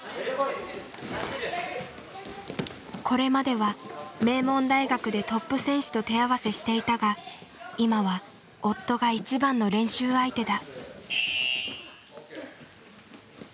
これまでは名門大学でトップ選手と手合わせしていたが今は夫が一番の練習相手だ。